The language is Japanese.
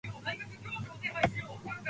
繰越商品勘定